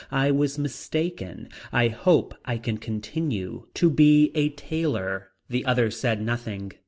I was mistaken. I hope I can continue. To be a tailor. The other said nothing.